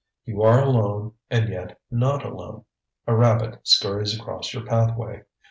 You are alone and yet not alone. A rabbit scurries across your pathway.